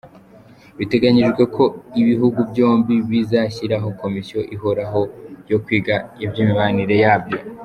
Biteganijwe ko ibihugu byombi bizashyiraho Komisiyo ihoraho yo kwiga iby’imibanire yabyo.